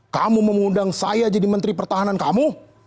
kamu mau ngundang saya jadi menteri pertahanan kamu